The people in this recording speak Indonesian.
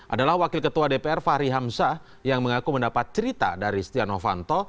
adalah wakil ketua dpr fahri hamzah yang mengaku mendapat cerita dari stiano fanto